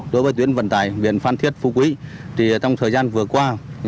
đối với tuyến vận tại biển phan thiết phú quý trong thời gian vừa qua